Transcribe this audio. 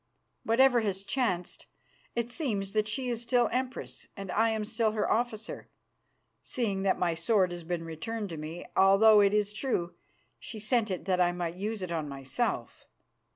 Whatever has chanced, it seems that she is still Empress and I am still her officer, seeing that my sword has been returned to me, although it is true she sent it that I might use it on myself.